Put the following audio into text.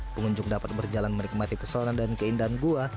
pengunjung dapat berjalan menikmati pesona dan keindahan gua